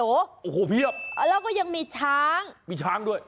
โอ้โหเพียบแล้วก็ยังมีช้างมีช้างด้วย